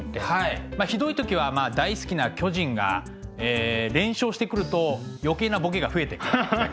ひどい時はまあ大好きな巨人が連勝してくると余計なボケが増えてくみたいな。